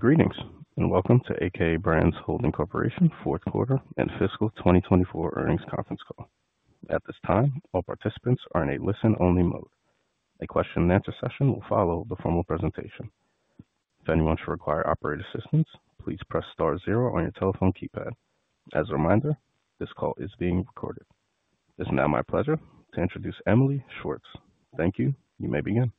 Greetings and welcome to a.k.a. Brands Holding Corporation's Fourth Quarter and Fiscal 2024 Earnings Conference Call. At this time, all participants are in a listen-only mode. A question-and-answer session will follow the formal presentation. If anyone should require operator assistance, please press star zero on your telephone keypad. As a reminder, this call is being recorded. It is now my pleasure to introduce Emily Schwartz. Thank you. You may begin.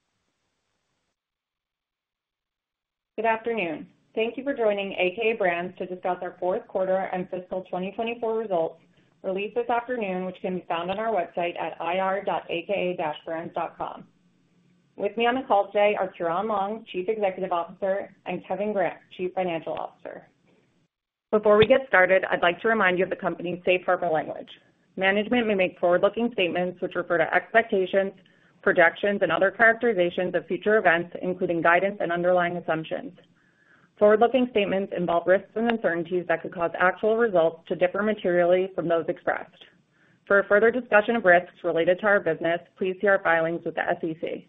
Good afternoon. Thank you for joining a.k.a. Brands to discuss our Fourth Quarter and Fiscal 2024 results released this afternoon, which can be found on our website at ir.akabrands.com. With me on the call today are Ciaran Long, Chief Executive Officer, and Kevin Grant, Chief Financial Officer. Before we get started, I'd like to remind you of the company's safe harbor language. Management may make forward-looking statements which refer to expectations, projections, and other characterizations of future events, including guidance and underlying assumptions. Forward-looking statements involve risks and uncertainties that could cause actual results to differ materially from those expressed. For further discussion of risks related to our business, please see our filings with the SEC.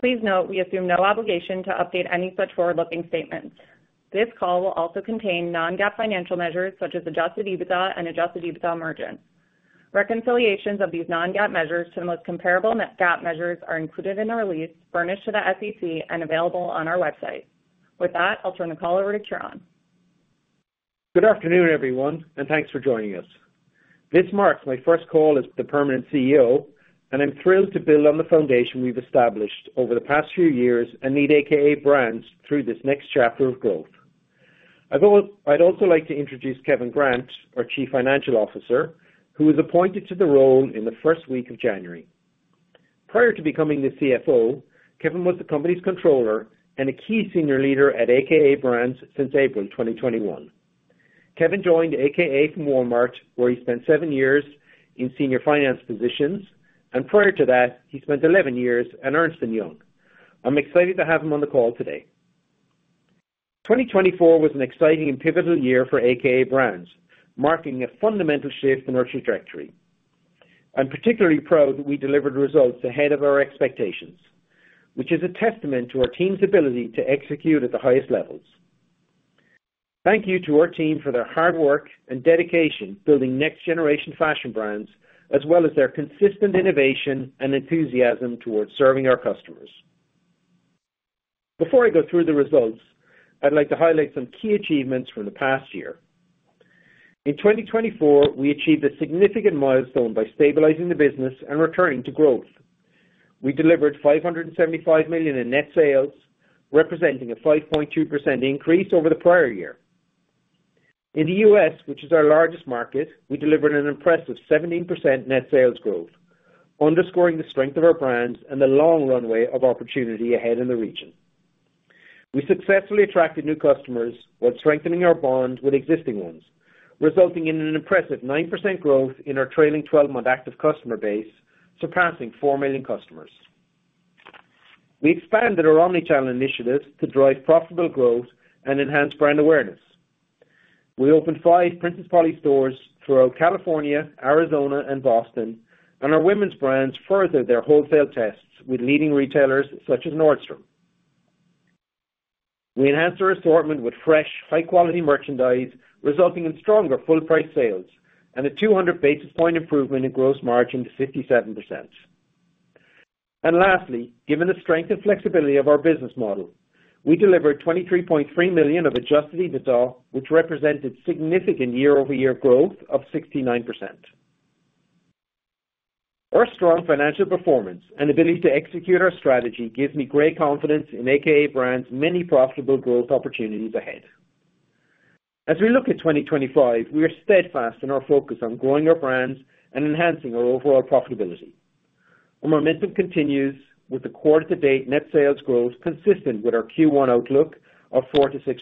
Please note we assume no obligation to update any such forward-looking statements. This call will also contain non-GAAP financial measures such as adjusted EBITDA and adjusted EBITDA margin. Reconciliations of these non-GAAP measures to the most comparable net GAAP measures are included in the release, furnished to the SEC, and available on our website. With that, I'll turn the call over to Ciaran. Good afternoon, everyone, and thanks for joining us. This marks my first call as the permanent CEO, and I'm thrilled to build on the foundation we've established over the past few years and lead a.k.a. Brands through this next chapter of growth. I'd also like to introduce Kevin Grant, our Chief Financial Officer, who was appointed to the role in the first week of January. Prior to becoming the CFO, Kevin was the company's controller and a key senior leader at a.k.a. Brands since April 2021. Kevin joined a.k.a. from Walmart, where he spent seven years in senior finance positions, and prior to that, he spent 11 years at Ernst & Young. I'm excited to have him on the call today. 2024 was an exciting and pivotal year for a.k.a. Brands, marking a fundamental shift in our trajectory. I'm particularly proud that we delivered results ahead of our expectations, which is a testament to our team's ability to execute at the highest levels. Thank you to our team for their hard work and dedication building next-generation fashion brands, as well as their consistent innovation and enthusiasm towards serving our customers. Before I go through the results, I'd like to highlight some key achievements from the past year. In 2024, we achieved a significant milestone by stabilizing the business and returning to growth. We delivered $575 million in net sales, representing a 5.2% increase over the prior year. In the U.S., which is our largest market, we delivered an impressive 17% net sales growth, underscoring the strength of our brands and the long runway of opportunity ahead in the region. We successfully attracted new customers while strengthening our bond with existing ones, resulting in an impressive 9% growth in our trailing 12-month active customer base, surpassing 4 million customers. We expanded our omnichannel initiatives to drive profitable growth and enhance brand awareness. We opened five Princess Polly stores throughout California, Arizona, and Boston, and our women's brands furthered their wholesale tests with leading retailers such as Nordstrom. We enhanced our assortment with fresh, high-quality merchandise, resulting in stronger full-price sales and a 200 basis point improvement in gross margin to 57%. Lastly, given the strength and flexibility of our business model, we delivered $23.3 million of adjusted EBITDA, which represented significant year-over-year growth of 69%. Our strong financial performance and ability to execute our strategy gives me great confidence in a.k.a. Brands' many profitable growth opportunities ahead. As we look at 2025, we are steadfast in our focus on growing our brands and enhancing our overall profitability. Our momentum continues with the quarter-to-date net sales growth consistent with our Q1 outlook of 4%-6%.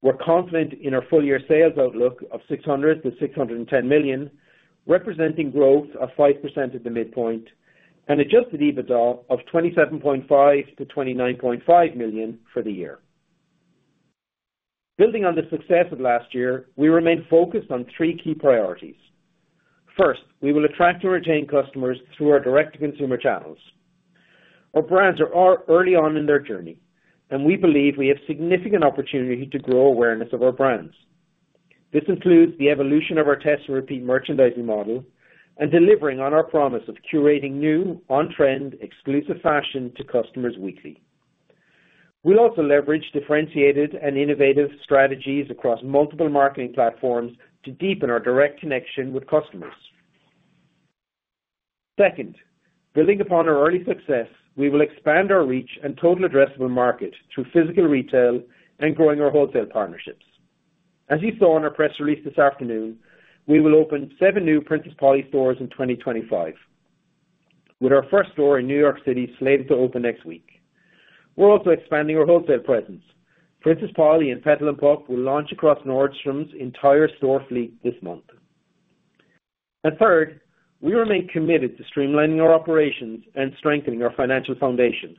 We're confident in our full-year sales outlook of $600 million-$610 million, representing growth of 5% at the midpoint and adjusted EBITDA of $27.5 million-$29.5 million for the year. Building on the success of last year, we remain focused on three key priorities. First, we will attract and retain customers through our direct-to-consumer channels. Our brands are early on in their journey, and we believe we have significant opportunity to grow awareness of our brands. This includes the evolution of our test-and-repeat merchandising model and delivering on our promise of curating new, on-trend, exclusive fashion to customers weekly. We'll also leverage differentiated and innovative strategies across multiple marketing platforms to deepen our direct connection with customers. Second, building upon our early success, we will expand our reach and total addressable market through physical retail and growing our wholesale partnerships. As you saw in our press release this afternoon, we will open seven new Princess Polly stores in 2025, with our first store in New York City slated to open next week. We're also expanding our wholesale presence. Princess Polly and Petal & Pup will launch across Nordstrom's entire store fleet this month. Third, we remain committed to streamlining our operations and strengthening our financial foundation.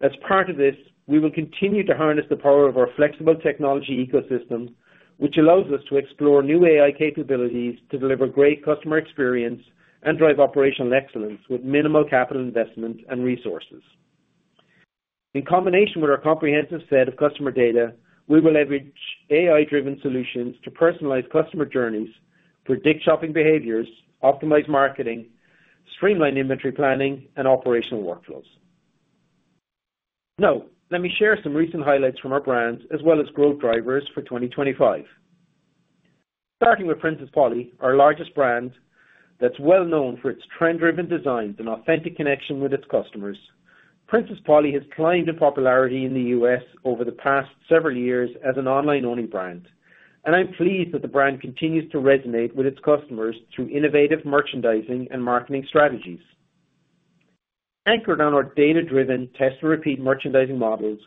As part of this, we will continue to harness the power of our flexible technology ecosystem, which allows us to explore new AI capabilities to deliver great customer experience and drive operational excellence with minimal capital investment and resources. In combination with our comprehensive set of customer data, we will leverage AI-driven solutions to personalize customer journeys, predict shopping behaviors, optimize marketing, streamline inventory planning, and operational workflows. Now, let me share some recent highlights from our brands as well as growth drivers for 2025. Starting with Princess Polly, our largest brand that's well-known for its trend-driven designs and authentic connection with its customers, Princess Polly has climbed in popularity in the U.S. over the past several years as an online-only brand, and I'm pleased that the brand continues to resonate with its customers through innovative merchandising and marketing strategies. Anchored on our data-driven test-and-repeat merchandising models,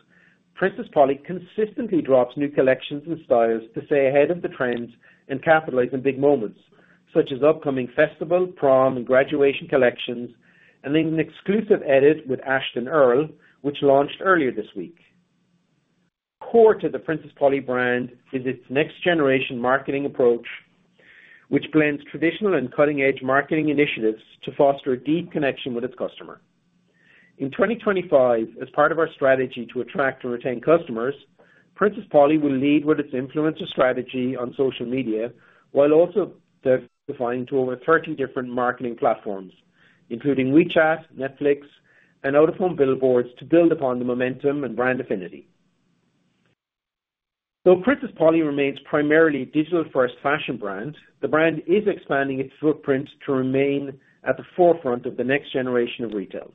Princess Polly consistently drops new collections and styles to stay ahead of the trends and capitalize on big moments such as upcoming festival, prom, and graduation collections, and an exclusive edit with Ashtin Earle, which launched earlier this week. Core to the Princess Polly brand is its next-generation marketing approach, which blends traditional and cutting-edge marketing initiatives to foster a deep connection with its customer. In 2025, as part of our strategy to attract and retain customers, Princess Polly will lead with its influencer strategy on social media while also deploying to over 30 different marketing platforms, including WeChat, Netflix, and OOH billboards, to build upon the momentum and brand affinity. Though Princess Polly remains primarily a digital-first fashion brand, the brand is expanding its footprint to remain at the forefront of the next generation of retail.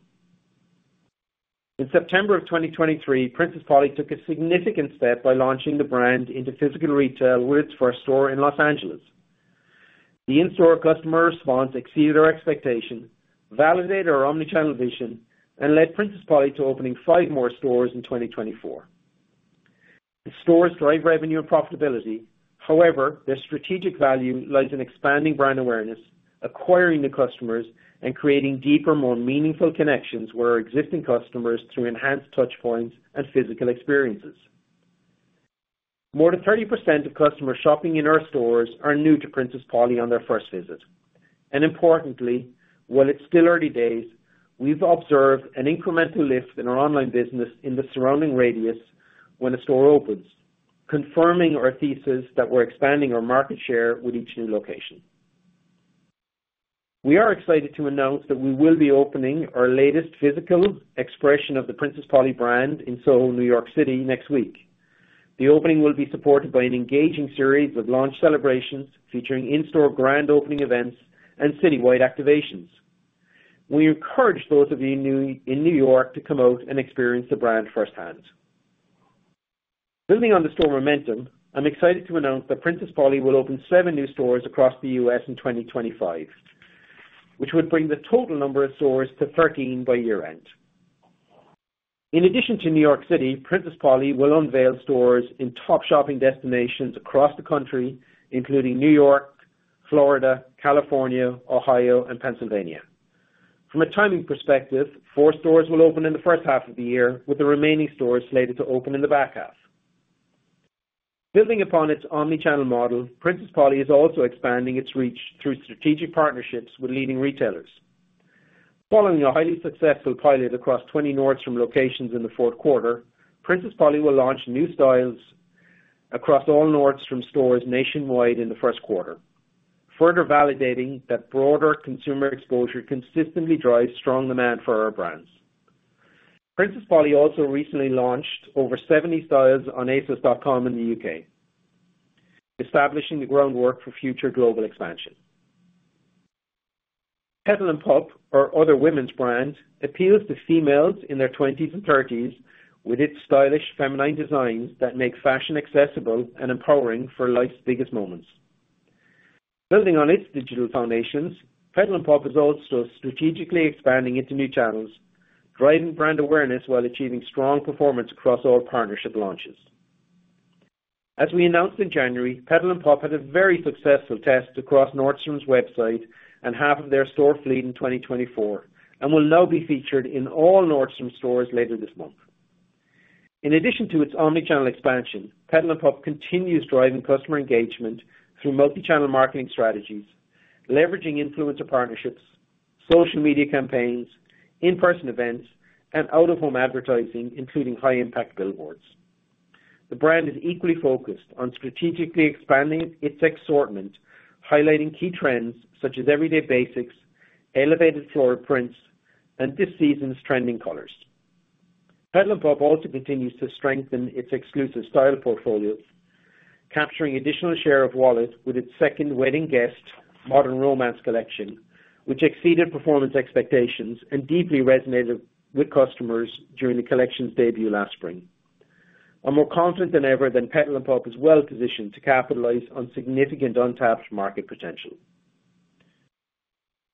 In September of 2023, Princess Polly took a significant step by launching the brand into physical retail with its first store in Los Angeles. The in-store customer response exceeded our expectation, validated our omnichannel vision, and led Princess Polly to opening five more stores in 2024. The stores drive revenue and profitability. However, their strategic value lies in expanding brand awareness, acquiring new customers, and creating deeper, more meaningful connections with our existing customers through enhanced touchpoints and physical experiences. More than 30% of customers shopping in our stores are new to Princess Polly on their first visit. Importantly, while it's still early days, we've observed an incremental lift in our online business in the surrounding radius when a store opens, confirming our thesis that we're expanding our market share with each new location. We are excited to announce that we will be opening our latest physical expression of the Princess Polly brand in SoHo, New York City, next week. The opening will be supported by an engaging series of launch celebrations featuring in-store grand opening events and citywide activations. We encourage those of you in New York to come out and experience the brand firsthand. Building on the store momentum, I'm excited to announce that Princess Polly will open seven new stores across the U.S. in 2025, which would bring the total number of stores to 13 by year-end. In addition to New York City, Princess Polly will unveil stores in top shopping destinations across the country, including New York, Florida, California, Ohio, and Pennsylvania. From a timing perspective, four stores will open in the first half of the year, with the remaining stores slated to open in the back half. Building upon its omnichannel model, Princess Polly is also expanding its reach through strategic partnerships with leading retailers. Following a highly successful pilot across 20 Nordstrom locations in the fourth quarter, Princess Polly will launch new styles across all Nordstrom stores nationwide in the first quarter, further validating that broader consumer exposure consistently drives strong demand for our brands. Princess Polly also recently launched over 70 styles on asos.com in the U.K., establishing the groundwork for future global expansion. Petal & Pup, our other women's brand, appeals to females in their 20s and 30s with its stylish, feminine designs that make fashion accessible and empowering for life's biggest moments. Building on its digital foundations, Petal & Pup is also strategically expanding into new channels, driving brand awareness while achieving strong performance across all partnership launches. As we announced in January, Petal & Pup had a very successful test across Nordstrom's website and half of their store fleet in 2024, and will now be featured in all Nordstrom stores later this month. In addition to its omnichannel expansion, Petal & Pup continues driving customer engagement through multi-channel marketing strategies, leveraging influencer partnerships, social media campaigns, in-person events, and out-of-home advertising, including high-impact billboards. The brand is equally focused on strategically expanding its assortment, highlighting key trends such as everyday basics, elevated floral prints, and this season's trending colors. Petal & Pup also continues to strengthen its exclusive style portfolios, capturing an additional share of wallet with its second wedding guest, Modern Romance collection, which exceeded performance expectations and deeply resonated with customers during the collection's debut last spring. I'm more confident than ever that Petal & Pup is well-positioned to capitalize on significant untapped market potential.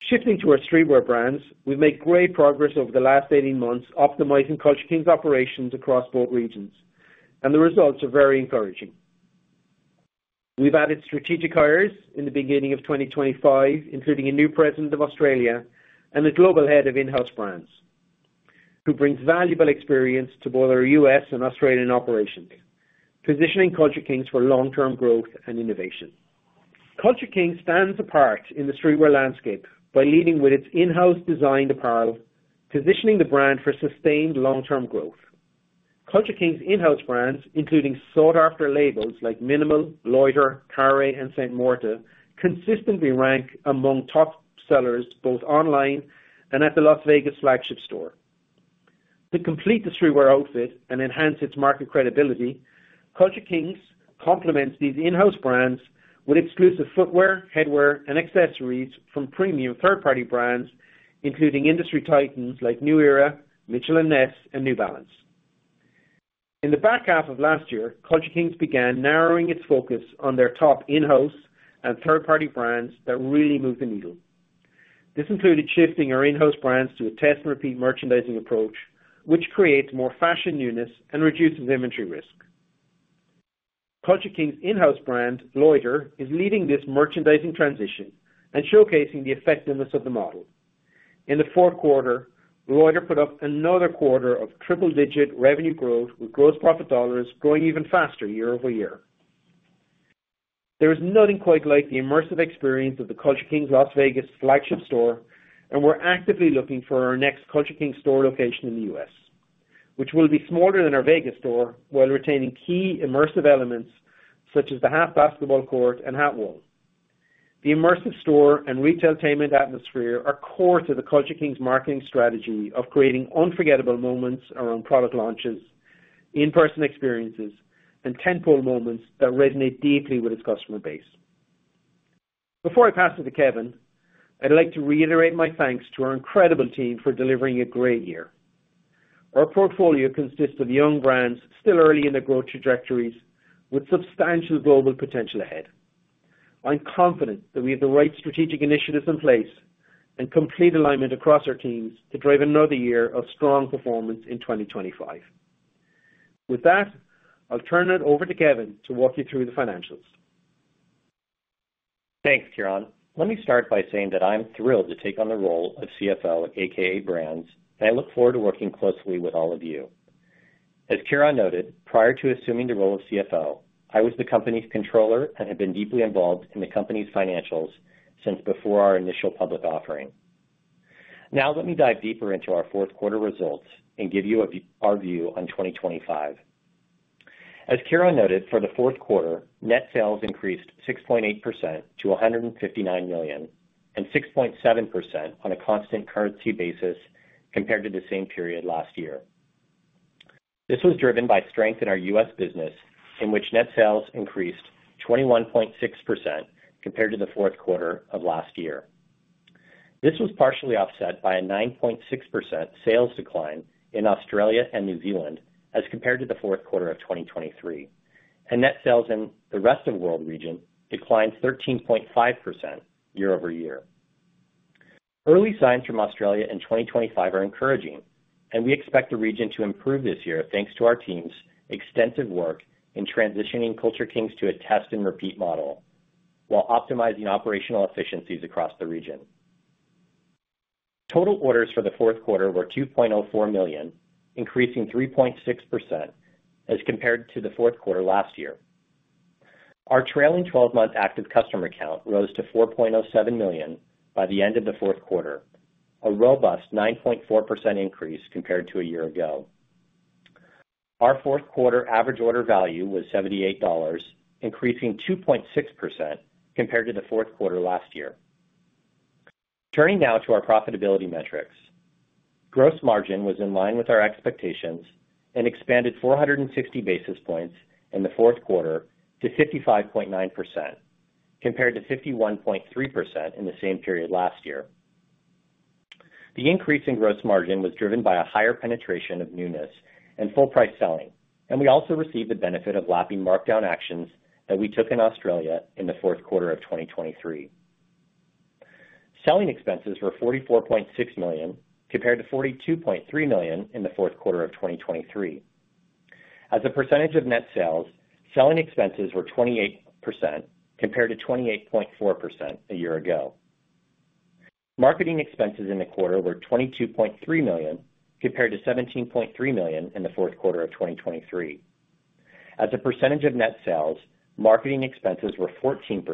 Shifting to our streetwear brands, we've made great progress over the last 18 months, optimizing Culture Kings' operations across both regions, and the results are very encouraging. We've added strategic hires in the beginning of 2025, including a new President of Australia and a Global Head of In-House Brands, who brings valuable experience to both our U.S. and Australian operations, positioning Culture Kings for long-term growth and innovation. Culture Kings stands apart in the streetwear landscape by leading with its in-house designed apparel, positioning the brand for sustained long-term growth. Culture Kings' in-house brands, including sought-after labels like mnml, Loiter, Carré, and St. Morta, consistently rank among top sellers both online and at the Las Vegas flagship store. To complete the streetwear outfit and enhance its market credibility, Culture Kings complements these in-house brands with exclusive footwear, headwear, and accessories from premium third-party brands, including industry titans like New Era, Mitchell & Ness, and New Balance. In the back half of last year, Culture Kings began narrowing its focus on their top in-house and third-party brands that really move the needle. This included shifting our in-house brands to a test-and-repeat merchandising approach, which creates more fashion newness and reduces inventory risk. Culture Kings' in-house brand, Loiter, is leading this merchandising transition and showcasing the effectiveness of the model. In the fourth quarter, Loiter put up another quarter of triple-digit revenue growth with gross profit dollars growing even faster year over year. There is nothing quite like the immersive experience of the Culture Kings Las Vegas flagship store, and we're actively looking for our next Culture Kings store location in the U.S., which will be smaller than our Vegas store while retaining key immersive elements such as the half-basketball court and hat wall. The immersive store and retailtainment atmosphere are core to the Culture Kings' marketing strategy of creating unforgettable moments around product launches, in-person experiences, and tentpole moments that resonate deeply with its customer base. Before I pass it to Kevin, I'd like to reiterate my thanks to our incredible team for delivering a great year. Our portfolio consists of young brands still early in their growth trajectories with substantial global potential ahead. I'm confident that we have the right strategic initiatives in place and complete alignment across our teams to drive another year of strong performance in 2025. With that, I'll turn it over to Kevin to walk you through the financials. Thanks, Ciaran. Let me start by saying that I'm thrilled to take on the role of CFO, a.k.a. Brands, and I look forward to working closely with all of you. As Ciaran noted, prior to assuming the role of CFO, I was the company's controller and have been deeply involved in the company's financials since before our initial public offering. Now, let me dive deeper into our fourth quarter results and give you our view on 2025. As Ciaran noted, for the fourth quarter, net sales increased 6.8% to $159 million and 6.7% on a constant currency basis compared to the same period last year. This was driven by strength in our U.S. business, in which net sales increased 21.6% compared to the fourth quarter of last year. This was partially offset by a 9.6% sales decline in Australia and New Zealand as compared to the fourth quarter of 2023, and net sales in the rest of the world region declined 13.5% year over year. Early signs from Australia in 2025 are encouraging, and we expect the region to improve this year thanks to our team's extensive work in transitioning Culture Kings to a test-and-repeat model while optimizing operational efficiencies across the region. Total orders for the fourth quarter were 2.04 million, increasing 3.6% as compared to the fourth quarter last year. Our trailing 12-month active customer count rose to 4.07 million by the end of the fourth quarter, a robust 9.4% increase compared to a year ago. Our fourth quarter average order value was $78, increasing 2.6% compared to the fourth quarter last year. Turning now to our profitability metrics, gross margin was in line with our expectations and expanded 460 basis points in the fourth quarter to 55.9% compared to 51.3% in the same period last year. The increase in gross margin was driven by a higher penetration of newness and full-price selling, and we also received the benefit of lapping markdown actions that we took in Australia in the fourth quarter of 2023. Selling expenses were $44.6 million compared to $42.3 million in the fourth quarter of 2023. As a percentage of net sales, selling expenses were 28% compared to 28.4% a year ago. Marketing expenses in the quarter were $22.3 million compared to $17.3 million in the fourth quarter of 2023. As a percentage of net sales, marketing expenses were 14%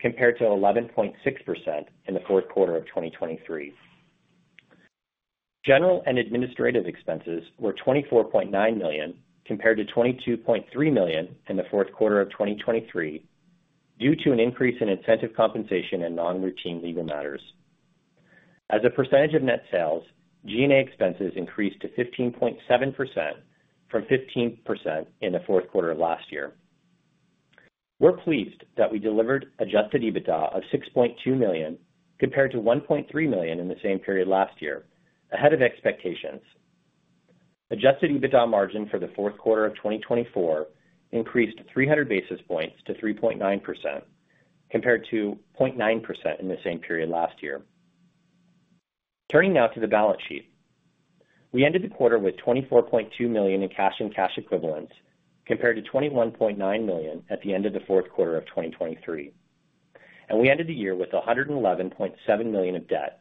compared to 11.6% in the fourth quarter of 2023. General and administrative expenses were $24.9 million compared to $22.3 million in the fourth quarter of 2023 due to an increase in incentive compensation and non-routine legal matters. As a percentage of net sales, G&A expenses increased to 15.7% from 15% in the fourth quarter of last year. We're pleased that we delivered adjusted EBITDA of $6.2 million compared to $1.3 million in the same period last year, ahead of expectations. Adjusted EBITDA margin for the fourth quarter of 2024 increased 300 basis points to 3.9% compared to 0.9% in the same period last year. Turning now to the balance sheet, we ended the quarter with $24.2 million in cash and cash equivalents compared to $21.9 million at the end of the fourth quarter of 2023, and we ended the year with $111.7 million of debt.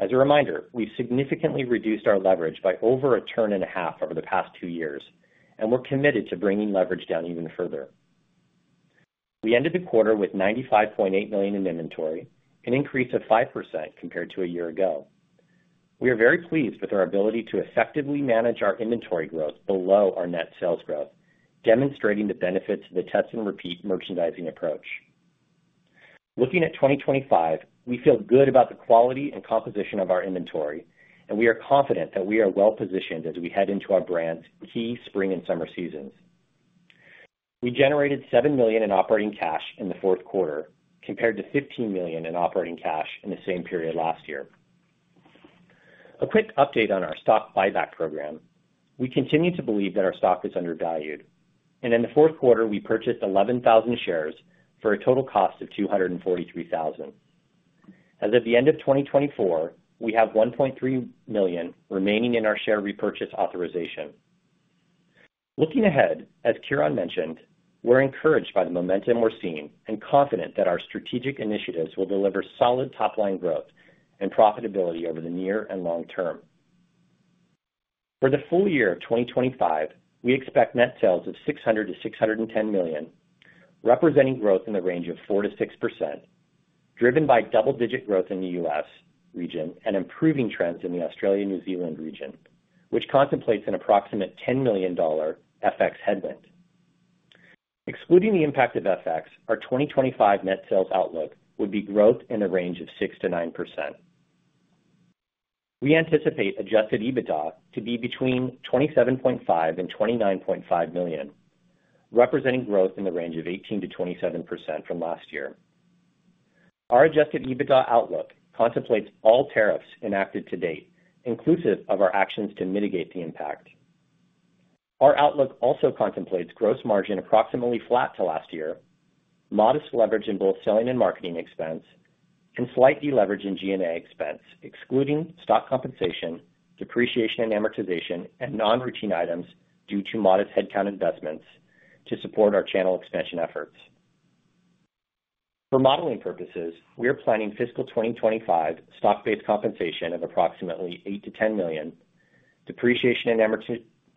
As a reminder, we've significantly reduced our leverage by over a turn and a half over the past two years, and we're committed to bringing leverage down even further. We ended the quarter with $95.8 million in inventory, an increase of 5% compared to a year ago. We are very pleased with our ability to effectively manage our inventory growth below our net sales growth, demonstrating the benefits of the test-and-repeat merchandising approach. Looking at 2025, we feel good about the quality and composition of our inventory, and we are confident that we are well-positioned as we head into our brand's key spring and summer seasons. We generated $7 million in operating cash in the fourth quarter compared to $15 million in operating cash in the same period last year. A quick update on our stock buyback program: we continue to believe that our stock is undervalued, and in the fourth quarter, we purchased 11,000 shares for a total cost of $243,000. As of the end of 2024, we have $1.3 million remaining in our share repurchase authorization. Looking ahead, as Ciaran mentioned, we're encouraged by the momentum we're seeing and confident that our strategic initiatives will deliver solid top-line growth and profitability over the near and long term. For the full year of 2025, we expect net sales of $600 million-$610 million, representing growth in the range of 4%-6%, driven by double-digit growth in the U.S. region and improving trends in the Australia-New Zealand region, which contemplates an approximate $10 million FX headwind. Excluding the impact of FX, our 2025 net sales outlook would be growth in the range of 6%-9%. We anticipate adjusted EBITDA to be between $27.5 million-$29.5 million, representing growth in the range of 18%-27% from last year. Our adjusted EBITDA outlook contemplates all tariffs enacted to date, inclusive of our actions to mitigate the impact. Our outlook also contemplates gross margin approximately flat to last year, modest leverage in both selling and marketing expense, and slight deleverage in G&A expense, excluding stock compensation, depreciation and amortization, and non-routine items due to modest headcount investments to support our channel expansion efforts. For modeling purposes, we are planning fiscal 2025 stock-based compensation of approximately $8 million-$10 million, depreciation and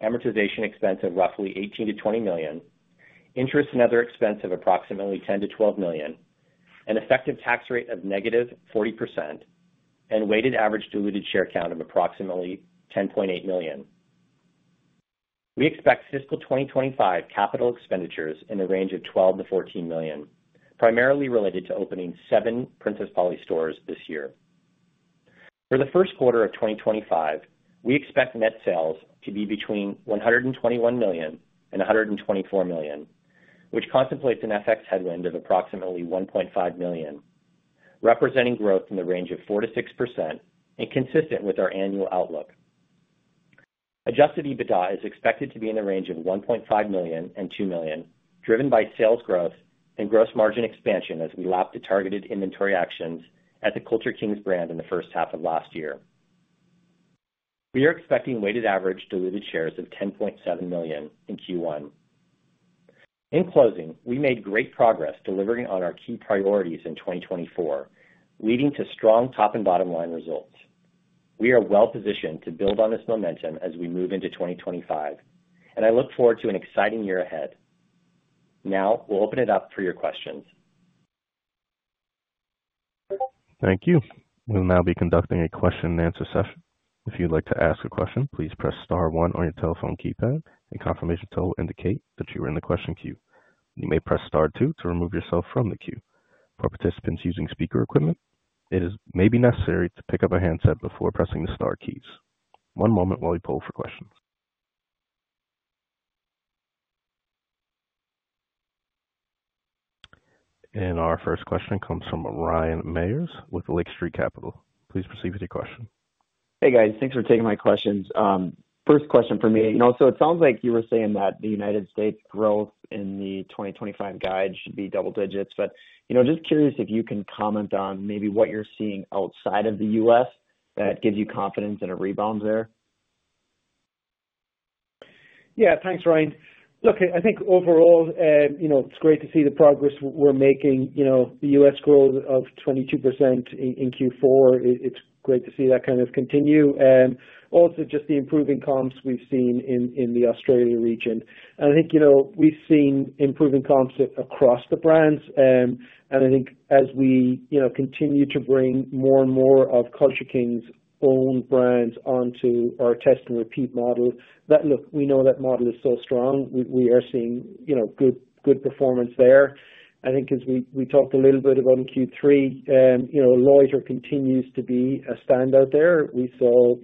amortization expense of roughly $18 million-$20 million, interest and other expense of approximately $10 million-$12 million, an effective tax rate of -40%, and weighted average diluted share count of approximately 10.8 million. We expect fiscal 2025 capital expenditures in the range of $12 million-$14 million, primarily related to opening seven Princess Polly stores this year. For the first quarter of 2025, we expect net sales to be between $121 million and $124 million, which contemplates an FX headwind of approximately $1.5 million, representing growth in the range of 4%-6% and consistent with our annual outlook. Adjusted EBITDA is expected to be in the range of $1.5 million-$2 million, driven by sales growth and gross margin expansion as we lap the targeted inventory actions at the Culture Kings brand in the first half of last year. We are expecting weighted average diluted shares of 10.7 million in Q1. In closing, we made great progress delivering on our key priorities in 2024, leading to strong top and bottom-line results. We are well-positioned to build on this momentum as we move into 2025, and I look forward to an exciting year ahead. Now, we'll open it up for your questions. Thank you. We'll now be conducting a question-and-answer session. If you'd like to ask a question, please press star one on your telephone keypad, and confirmation will indicate that you are in the question queue. You may press star two to remove yourself from the queue. For participants using speaker equipment, it may be necessary to pick up a handset before pressing the star keys. One moment while we poll for questions. Our first question comes from Ryan Meyers with Lake Street Capital. Please proceed with your question. Hey, guys. Thanks for taking my questions. First question for me. It sounds like you were saying that the U.S. growth in the 2025 guide should be double digits, but just curious if you can comment on maybe what you're seeing outside of the U.S. that gives you confidence in a rebound there. Yeah. Thanks, Ryan. Look, I think overall, it's great to see the progress we're making. The U.S. growth of 22% in Q4, it's great to see that kind of continue. Also, just the improving comps we've seen in the Australia region. I think we've seen improving comps across the brands. I think as we continue to bring more and more of Culture Kings' own brands onto our test-and-repeat model, look, we know that model is so strong. We are seeing good performance there. I think as we talked a little bit about in Q3, Loiter continues to be a standout there. We saw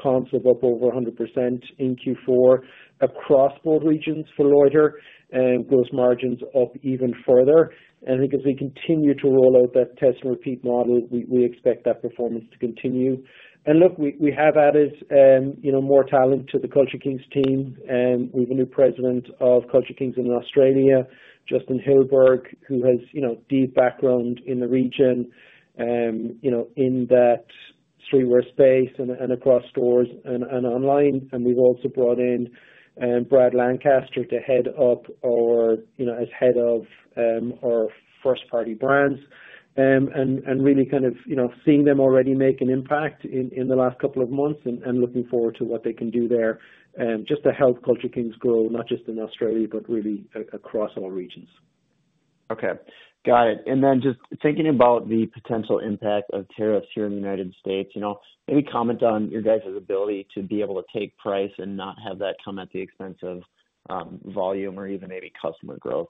comps of up over 100% in Q4 across both regions for Loiter, gross margins up even further. I think as we continue to roll out that test-and-repeat model, we expect that performance to continue. Look, we have added more talent to the Culture Kings team. We have a new President of Culture Kings in Australia, Justin Hillberg, who has deep background in the region in that streetwear space and across stores and online. We have also brought in Brad Lancaster to head up as head of our first-party brands and really kind of seeing them already make an impact in the last couple of months and looking forward to what they can do there just to help Culture Kings grow not just in Australia, but really across all regions. Got it. Just thinking about the potential impact of tariffs here in the U.S., maybe comment on your guys' ability to be able to take price and not have that come at the expense of volume or even maybe customer growth.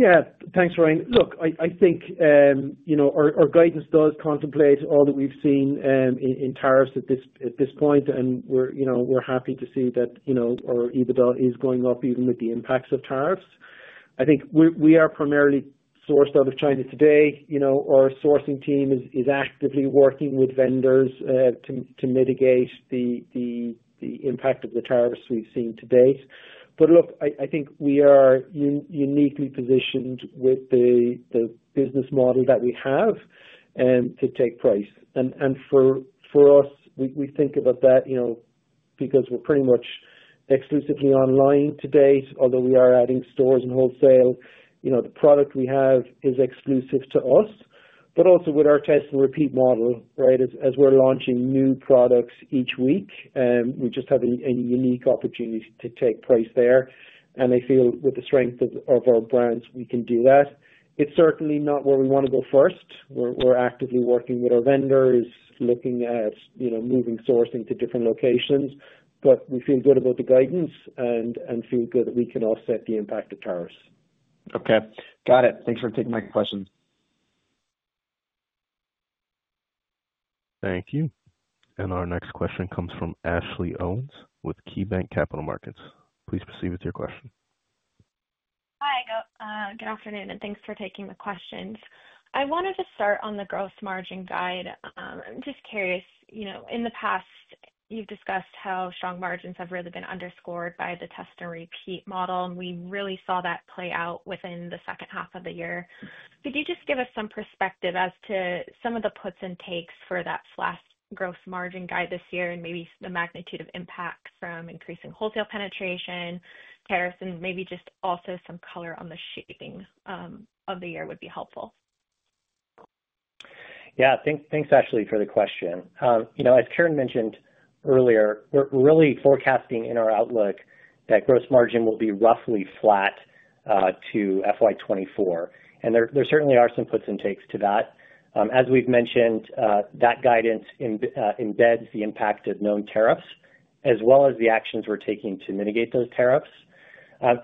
Yeah. Thanks, Ryan. Look, I think our guidance does contemplate all that we have seen in tariffs at this point, and we are happy to see that our EBITDA is going up even with the impacts of tariffs. I think we are primarily sourced out of China today. Our sourcing team is actively working with vendors to mitigate the impact of the tariffs we've seen to date. Look, I think we are uniquely positioned with the business model that we have to take price. For us, we think about that because we're pretty much exclusively online to date, although we are adding stores and wholesale. The product we have is exclusive to us, but also with our test-and-repeat model, right, as we're launching new products each week, we just have a unique opportunity to take price there. I feel with the strength of our brands, we can do that. It's certainly not where we want to go first. We're actively working with our vendors, looking at moving sourcing to different locations, but we feel good about the guidance and feel good that we can offset the impact of tariffs. Okay. Got it. Thanks for taking my question. Thank you. Our next question comes from Ashley Owens with KeyBanc Capital Markets. Please proceed with your question. Hi. Good afternoon, and thanks for taking the questions. I wanted to start on the gross margin guide. I'm just curious. In the past, you've discussed how strong margins have really been underscored by the test-and-repeat model, and we really saw that play out within the second half of the year. Could you just give us some perspective as to some of the puts and takes for that last gross margin guide this year and maybe the magnitude of impact from increasing wholesale penetration, tariffs, and maybe just also some color on the shaping of the year would be helpful? Yeah. Thanks, Ashley, for the question. As Ciaran mentioned earlier, we're really forecasting in our outlook that gross margin will be roughly flat to FY 2024. There certainly are some puts and takes to that. As we've mentioned, that guidance embeds the impact of known tariffs as well as the actions we're taking to mitigate those tariffs.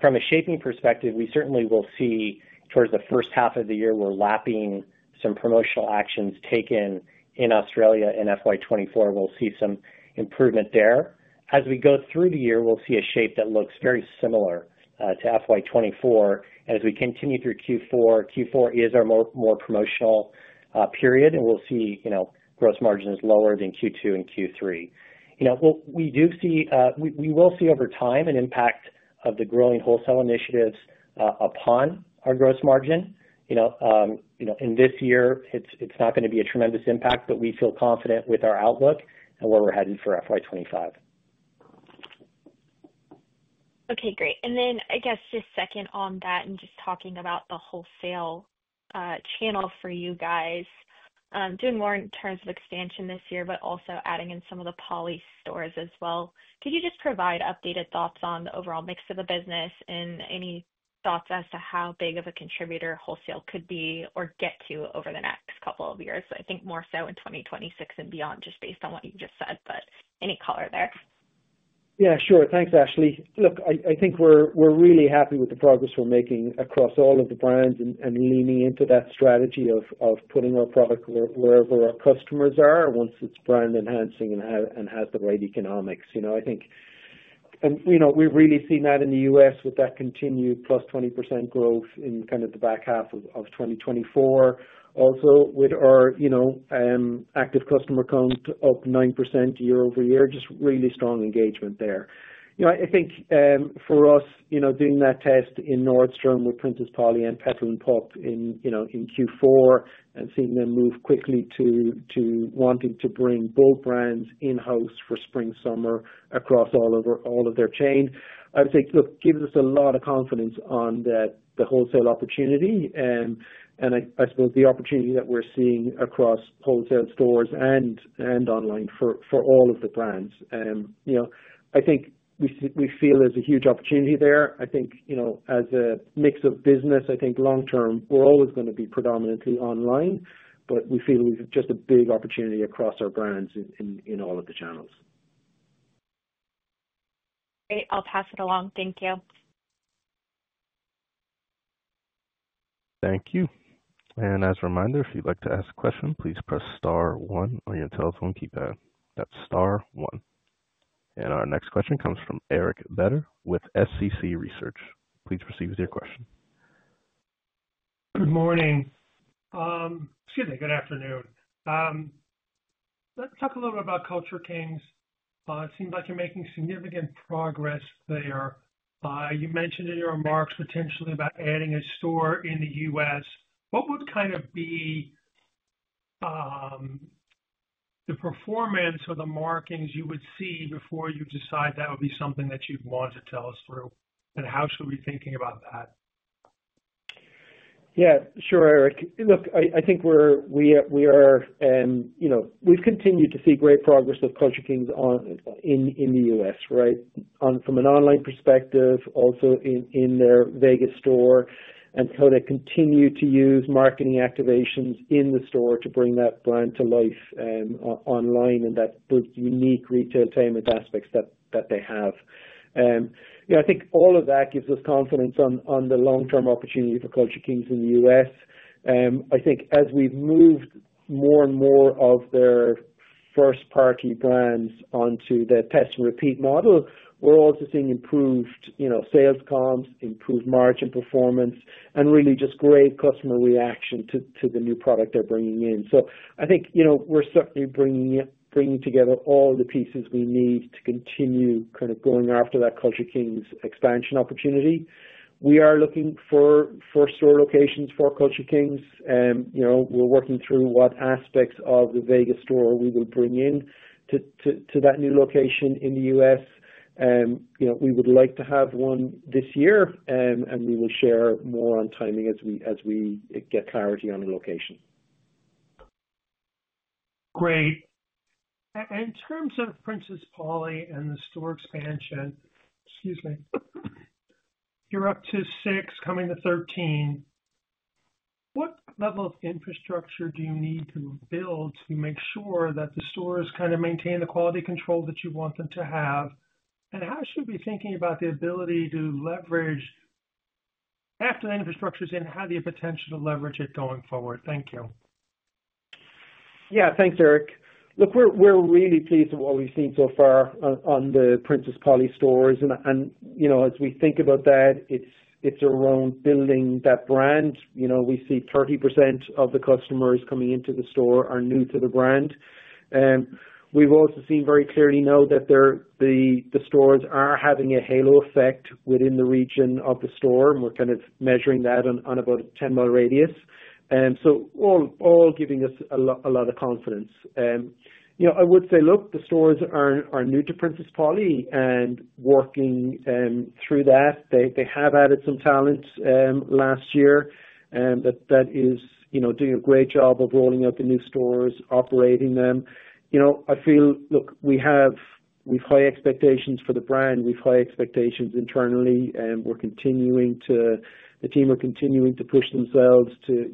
From a shaping perspective, we certainly will see towards the first half of the year, we're lapping some promotional actions taken in Australia in fiscal year 2024. We'll see some improvement there. As we go through the year, we'll see a shape that looks very similar to fiscal year 2024. As we continue through Q4, Q4 is our more promotional period, and we'll see gross margins lower than Q2 and Q3. We do see we will see over time an impact of the growing wholesale initiatives upon our gross margin. In this year, it's not going to be a tremendous impact, but we feel confident with our outlook and where we're headed for fiscal year 2025. Okay. Great. I guess just second on that and just talking about the wholesale channel for you guys, doing more in terms of expansion this year, but also adding in some of the Polly stores as well. Could you just provide updated thoughts on the overall mix of the business and any thoughts as to how big of a contributor wholesale could be or get to over the next couple of years? I think more so in 2026 and beyond, just based on what you just said, but any color there. Yeah. Sure. Thanks, Ashley. Look, I think we're really happy with the progress we're making across all of the brands and leaning into that strategy of putting our product wherever our customers are once it's brand-enhancing and has the right economics. I think we've really seen that in the U.S. With that continued plus 20% growth in kind of the back half of 2024. Also, with our active customer count up 9% year-over-year, just really strong engagement there. I think for us, doing that test in Nordstrom with Princess Polly and Petal & Pup in Q4 and seeing them move quickly to wanting to bring both brands in-house for spring-summer across all of their chain, I would say, look, gives us a lot of confidence on the wholesale opportunity and I suppose the opportunity that we're seeing across wholesale, stores, and online for all of the brands. I think we feel there's a huge opportunity there. I think as a mix of business, I think long-term, we're always going to be predominantly online, but we feel we've just a big opportunity across our brands in all of the channels. Great. I'll pass it along. Thank you. Thank you. As a reminder, if you'd like to ask a question, please press star one on your telephone keypad. That's star one. Our next question comes from Eric Beder with SCC Research. Please proceed with your question. Good morning. Excuse me. Good afternoon. Let's talk a little bit about Culture Kings. It seems like you're making significant progress there. You mentioned in your remarks potentially about adding a store in the U.S. What would kind of be the performance or the markings you would see before you decide that would be something that you'd want to tell us through? How should we be thinking about that? Yeah. Sure, Eric. Look, I think we are and we've continued to see great progress with Culture Kings in the U.S., right, from an online perspective, also in their Vegas store, and how they continue to use marketing activations in the store to bring that brand to life online and that unique retailtainment aspects that they have. I think all of that gives us confidence on the long-term opportunity for Culture Kings in the U.S. I think as we've moved more and more of their first-party brands onto the test-and-repeat model, we're also seeing improved sales comps, improved margin performance, and really just great customer reaction to the new product they're bringing in. I think we're certainly bringing together all the pieces we need to continue kind of going after that Culture Kings expansion opportunity. We are looking for store locations for Culture Kings. We're working through what aspects of the Vegas store we will bring in to that new location in the U.S. We would like to have one this year, and we will share more on timing as we get clarity on the location. Great. In terms of Princess Polly and the store expansion, excuse me, you're up to six coming to 13. What level of infrastructure do you need to build to make sure that the stores kind of maintain the quality control that you want them to have? How should we be thinking about the ability to leverage after the infrastructure's in, how do you have potential to leverage it going forward? Thank you. Yeah. Thanks, Eric. Look, we're really pleased with what we've seen so far on the Princess Polly stores. As we think about that, it's around building that brand. We see 30% of the customers coming into the store are new to the brand. We have also seen very clearly now that the stores are having a halo effect within the region of the store, and we are kind of measuring that on about a 10 mi radius. All giving us a lot of confidence. I would say, look, the stores are new to Princess Polly and working through that. They have added some talent last year that is doing a great job of rolling out the new stores, operating them. I feel, look, we have high expectations for the brand. We have high expectations internally. The team are continuing to push themselves to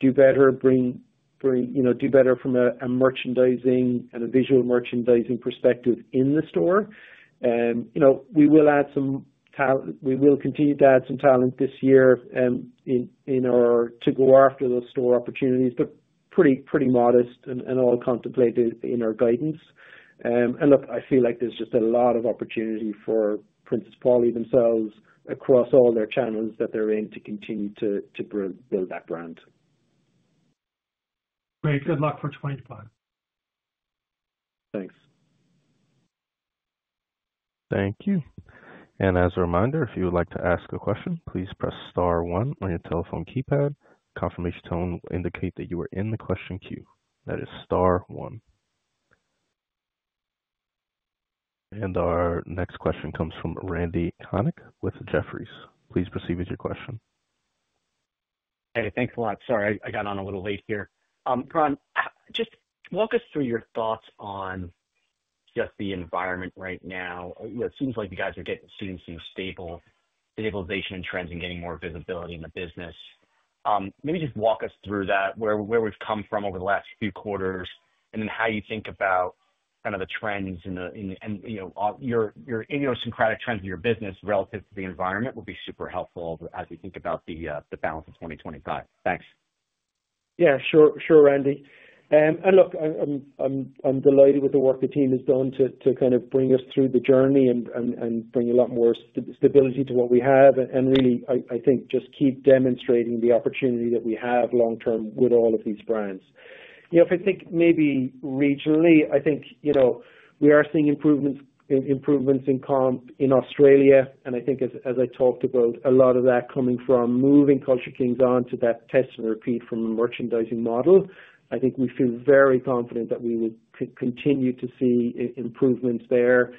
do better, do better from a merchandising and a visual merchandising perspective in the store. We will add some talent. We will continue to add some talent this year to go after those store opportunities, but pretty modest and all contemplated in our guidance. Look, I feel like there's just a lot of opportunity for Princess Polly themselves across all their channels that they're aiming to continue to build that brand. Great. Good luck for 2025. Thanks. Thank you. As a reminder, if you would like to ask a question, please press star one on your telephone keypad. Confirmation tone will indicate that you are in the question queue. That is star one. Our next question comes from Randy Konik with Jefferies. Please proceed with your question. Hey, thanks a lot. Sorry, I got on a little late here. Ciaran, just walk us through your thoughts on just the environment right now. It seems like you guys are seeing some stabilization in trends and getting more visibility in the business. Maybe just walk us through that, where we've come from over the last few quarters, and then how you think about kind of the trends and your idiosyncratic trends of your business relative to the environment would be super helpful as we think about the balance of 2025. Thanks. Yeah. Sure, Randy. Look, I'm delighted with the work the team has done to kind of bring us through the journey and bring a lot more stability to what we have. I think just keep demonstrating the opportunity that we have long-term with all of these brands. If I think maybe regionally, I think we are seeing improvements in comp in Australia. I think, as I talked about, a lot of that coming from moving Culture Kings on to that test-and-repeat from a merchandising model. I think we feel very confident that we would continue to see improvements there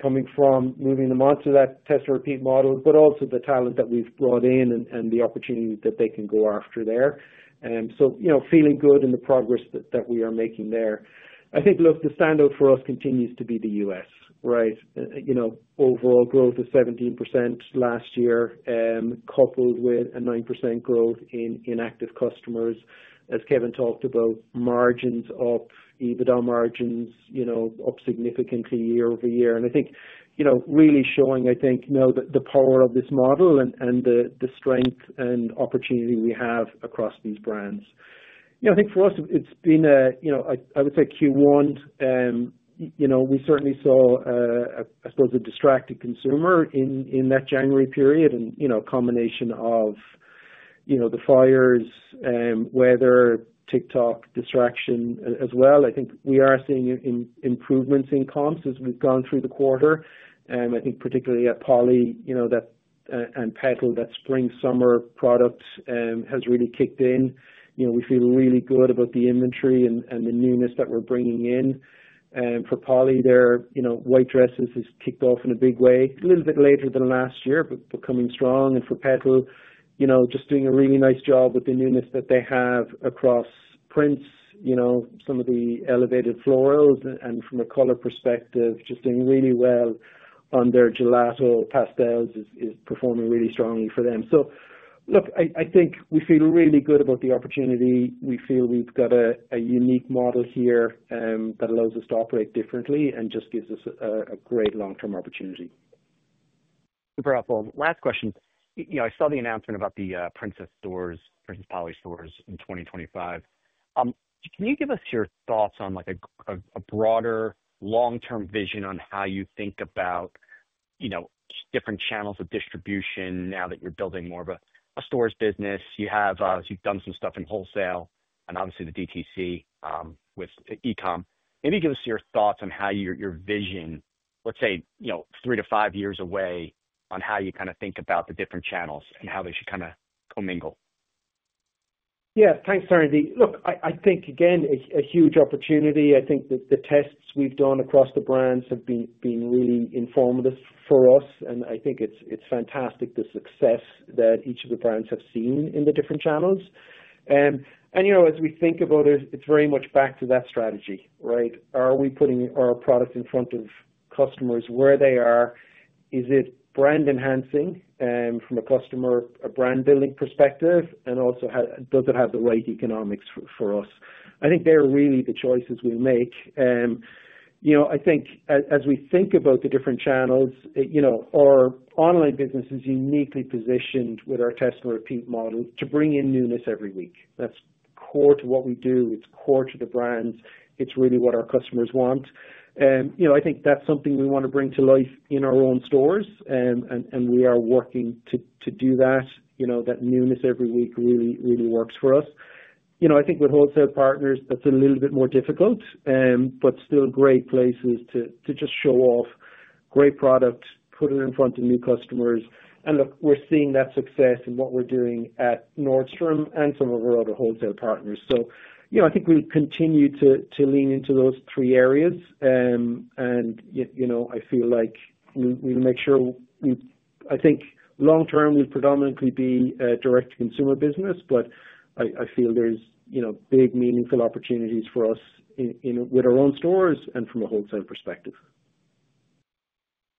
coming from moving them on to that test-and-repeat model, but also the talent that we've brought in and the opportunity that they can go after there. Feeling good in the progress that we are making there. I think the standout for us continues to be the U.S., right? Overall growth of 17% last year, coupled with a 9% growth in active customers. As Kevin talked about, margins up, EBITDA margins up significantly year over year. I think really showing the power of this model and the strength and opportunity we have across these brands. I think for us, it's been a, I would say, Q1. We certainly saw, I suppose, a distracted consumer in that January period and a combination of the fires, weather, TikTok distraction as well. I think we are seeing improvements in comps as we've gone through the quarter. I think particularly at Polly and Petal, that spring-summer product has really kicked in. We feel really good about the inventory and the newness that we're bringing in. For Polly, their white dresses has kicked off in a big way, a little bit later than last year, but becoming strong. For Petal, just doing a really nice job with the newness that they have across prints, some of the elevated florals. From a color perspective, just doing really well on their gelato pastels is performing really strongly for them. I think we feel really good about the opportunity. We feel we've got a unique model here that allows us to operate differently and just gives us a great long-term opportunity. Super helpful. Last question. I saw the announcement about the Princess Polly stores in 2025. Can you give us your thoughts on a broader long-term vision on how you think about different channels of distribution now that you're building more of a stores business? You've done some stuff in wholesale and obviously the DTC with e-com. Maybe give us your thoughts on how your vision, let's say three to five years away, on how you kind of think about the different channels and how they should kind of co-mingle. Yeah. Thanks, Randy. Look, I think, again, a huge opportunity. I think the tests we've done across the brands have been really informative for us. I think it's fantastic the success that each of the brands have seen in the different channels. As we think about it, it's very much back to that strategy, right? Are we putting our product in front of customers where they are? Is it brand-enhancing from a customer, a brand-building perspective? Also, does it have the right economics for us? I think they're really the choices we make. I think as we think about the different channels, our online business is uniquely positioned with our test-and-repeat model to bring in newness every week. That's core to what we do. It's core to the brands. It's really what our customers want. I think that's something we want to bring to life in our own stores. We are working to do that. That newness every week really works for us. I think with wholesale partners, that's a little bit more difficult, but still great places to just show off great product, put it in front of new customers. Look, we're seeing that success in what we're doing at Nordstrom and some of our other wholesale partners. I think we'll continue to lean into those three areas. I feel like we'll make sure we, I think long-term, we'll predominantly be a direct-to-consumer business, but I feel there's big, meaningful opportunities for us with our own stores and from a wholesale perspective.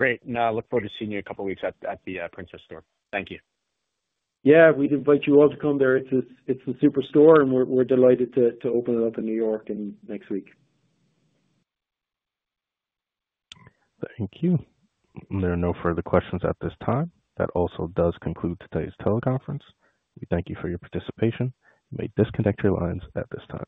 Great. I look forward to seeing you in a couple of weeks at the Princess Polly store. Thank you. Yeah. We'd invite you all to come there. It's a super store, and we're delighted to open it up in New York next week. Thank you. There are no further questions at this time. That also does conclude today's teleconference. We thank you for your participation. You may disconnect your lines at this time.